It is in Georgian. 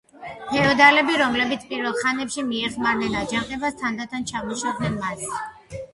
ფეოდალები, რომლებიც პირველ ხანებში მიემხრნენ აჯანყებას, თანდათან ჩამოშორდნენ მას.